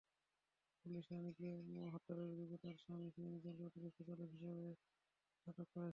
Police রানীকে হত্যার অভিযোগে তাঁর স্বামী সিএনজিচালিত অটোরিকশাচালক সাহেব আলীকে আটক করেছে।